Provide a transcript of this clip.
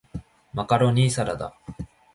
マカロニサラダ